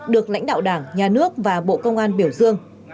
được lãnh đạo đảng nhà nước và bộ công an biểu dương